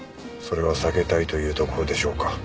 それを避けたいというところでしょうか。